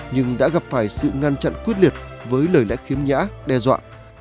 nhưng đã gặp phải sự ngăn chặn quyết liệt với lời lẽ khiếm nhã đe dọa